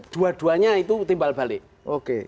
dua duanya itu timbal balik oke